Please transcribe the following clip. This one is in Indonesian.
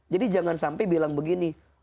jadi jangan sampai bilang begini